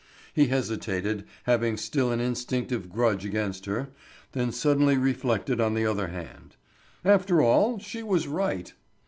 He hesitated, having still an instinctive grudge against her, then suddenly reflected on the other hand: "After all, she was right."